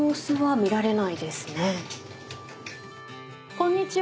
こんにちは。